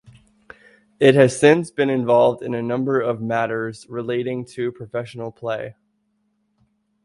It has since been involved in a number of matters relating to professional play.